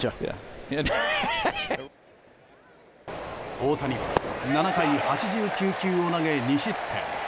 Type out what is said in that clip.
大谷は７回８９球を投げ２失点。